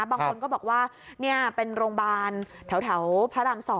บางคนก็บอกว่านี่เป็นโรงพยาบาลแถวพระราม๒